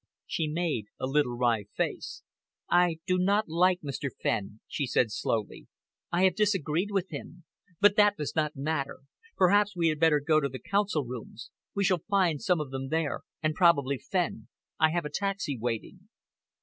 She made a little wry face. "I do not like Mr. Fenn," she said slowly. "I have disagreed with him. But that does not matter. Perhaps we had better go to the Council rooms. We shall find some of them there, and probably Fenn. I have a taxi waiting."